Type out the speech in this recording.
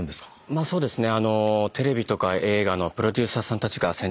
まあそうですね。